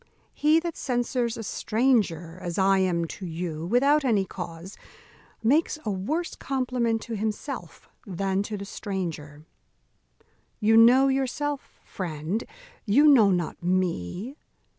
He that censures a stranger, as I am to you, without any cause, makes a worse compliment to himself than to the stranger. You know yourself, friend; you know not me.